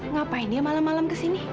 ngapain dia malam malam kesini